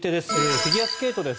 フィギュアスケートです。